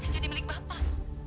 jadi milik bapak